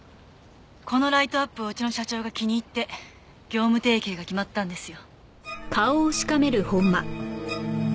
このライトアップをうちの社長が気に入って業務提携が決まったんですよ。